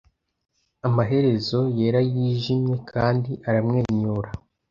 amaherezo yerayijimye kandi aramwenyura